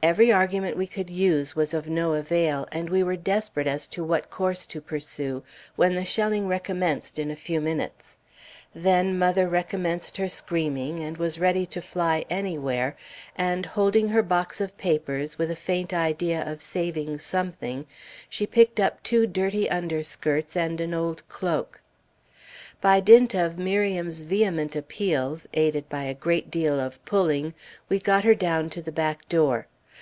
Every argument we could use was of no avail, and we were desperate as to what course to pursue, when the shelling recommenced in a few minutes. Then mother recommenced her screaming and was ready to fly anywhere; and holding her box of papers, with a faint idea of saving something, she picked up two dirty underskirts and an old cloak. Mrs. Morgan's negro maid, Catiche. By dint of Miriam's vehement appeals, aided by a great deal of pulling, we got her down to the back door.